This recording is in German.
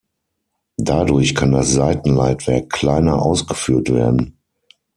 Dadurch kann das Seitenleitwerk kleiner ausgeführt werden.